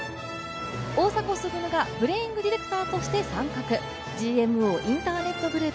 大迫傑がプレーイングディレクターとして参画、ＧＭＯインターネットグループ。